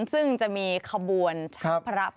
ซึ่งจะมีขบวนพระภัย